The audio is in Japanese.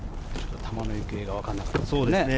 球の行方がわかんなかったですね。